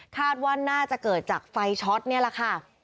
คาดว่าน่าจะเกิดจากไฟช็อตนี่แหละค่ะ